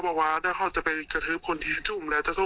ไม่เคยค้างแต่ตอนนี้จบไปแล้วจ๊ะ